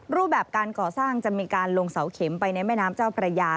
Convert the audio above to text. รูปแบบการก่อสร้างจะมีการลงเสาเข็มไปในแม่น้ำเจ้าพระยา